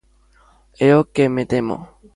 É o que me temo.